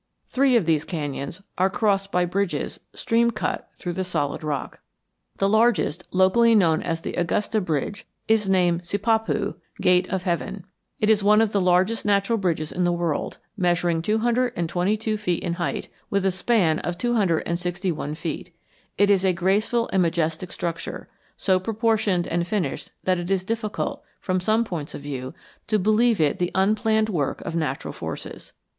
Three of these canyons are crossed by bridges stream cut through the solid rock. The largest, locally known as the Augusta Bridge, is named Sipapu, Gate of Heaven. It is one of the largest natural bridges in the world, measuring two hundred and twenty two feet in height, with a span of two hundred and sixty one feet. It is a graceful and majestic structure, so proportioned and finished that it is difficult, from some points of view, to believe it the unplanned work of natural forces.